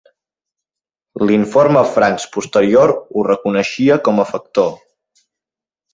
L'informe Franks posterior ho reconeixia com a factor.